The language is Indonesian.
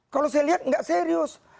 kalau saya lihat nggak serius